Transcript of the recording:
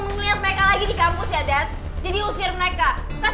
daddy gak mau bisnis yang daddy rintis dari dulu